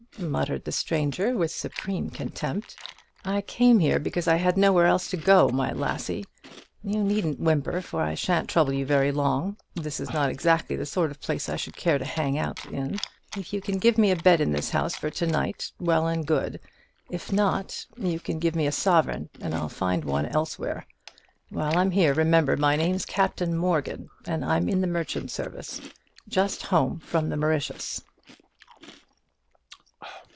muttered the stranger, with supreme contempt. "I came here because I had nowhere else to go, my lassie. You needn't whimper; for I shan't trouble you very long this is not exactly the sort of place I should care to hang out in: if you can give me a bed in this house for to night, well and good; if not, you can give me a sovereign, and I'll find one elsewhere. While I am here, remember my name's Captain Morgan, and I'm in the merchant service, just home from the Mauritius."